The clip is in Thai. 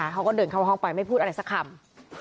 เขาก็เดินเข้าห้องไปไม่พูดอะไรสักคำ